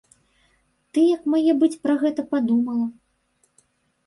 Ты як мае быць пра гэта падумала?